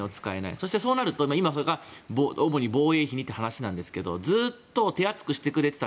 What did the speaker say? そしてそうなると主に防衛費にという話ですがずっと手厚くしてくれていた